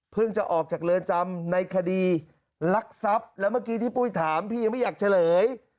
เพิ่งจะออกจากเลอจำในคดีลักษัพและเมื่อกี้ที่ปุ๊ยถามพี่ยังไม่อยากเฉลย